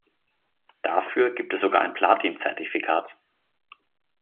Dafür gibt es sogar ein Platin-Zertifikat.